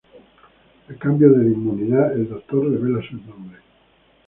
A cambio de inmunidad el doctor revela sus nombres.